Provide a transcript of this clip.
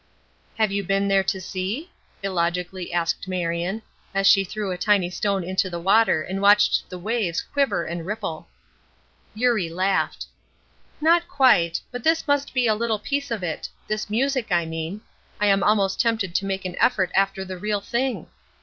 "Have you been there to see?" illogically asked Marion, as she threw a tiny stone into the water and watched the waves quiver and ripple. Eurie laughed. "Not quite, but this must be a little piece of it this music, I mean. I am almost tempted to make an effort after the real thing.